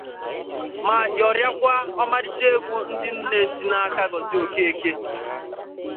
ma yọrịakwa ọmarịcha egwu ndị nne si n'aka Gozie Okeke.